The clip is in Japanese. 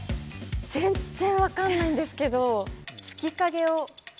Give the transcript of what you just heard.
全然わかんないんですけど、月影を。